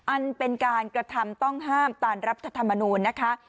อันเป็นการกระทำต้องห้ามตามรัฐธรรมนูญนะคะ